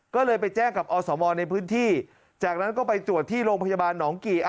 ก็เลยไปแจ้งกับอสมในพื้นที่จากนั้นก็ไปตรวจที่โรงพยาบาลหนองกี่